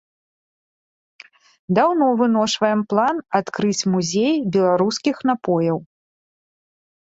Даўно выношваем план адкрыць музей беларускіх напояў.